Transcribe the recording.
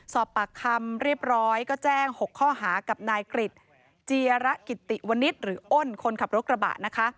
สอบปากคำเรียบร้อยก็แจ้ง๖ข้อหากับนายกริจเจียระกิติวนิษฐ์หรืออ้นคนขับรถกระบะนะคะ